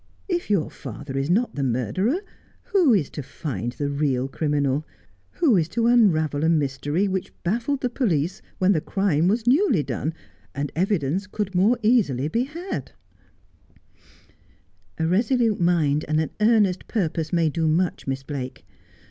' If your father is not the murderer, who is to find the real criminal —■ who is to unravel a mystery which baffled the police when the crime was newly done, and evidence could more easily be had V ' A resolute mind and an earnest purpose may do much, Miss Blake.